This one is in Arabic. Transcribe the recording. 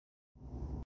وقروه لجاهه ولسمته